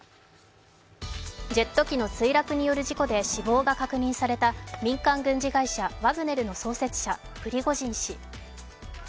ジェット機の墜落による事故で死亡が確認された民間軍事会社ワグネルの創設者・プリゴジン氏。